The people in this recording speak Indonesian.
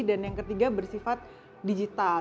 dan yang ketiga bersifat digital